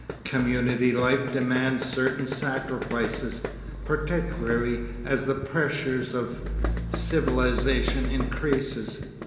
Community life demands certain sacrifices, particularly as the pressure of civilization increases.